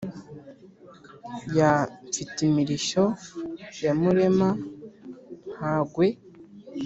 ya mfitimirishyo ya murema-nkagwe,